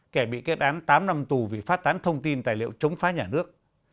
kẻ bị kết án tám năm tù vì phát tán thông tin tài liệu chống phá nhà nước